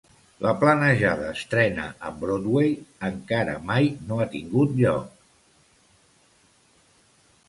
La planejada estrena a Broadway encara mai no ha tingut lloc.